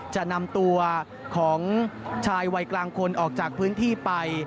จะนำตัวของชายวัยกลางคนออกจากพื้นที่ไป